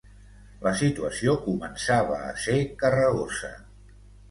La situació començava a ser carregosa.